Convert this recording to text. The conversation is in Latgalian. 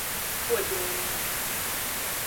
Kuodeila.